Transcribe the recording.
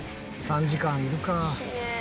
「３時間いるか」